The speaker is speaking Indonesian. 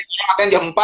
dia latihan jam empat